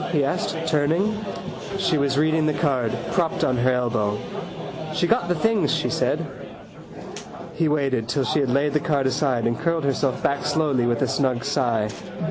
he asked, turning. She was reading the card, propped on her elbow. —She got the things, she said. He waited till she had laid the card aside and curled herself back slowly with a snug sigh.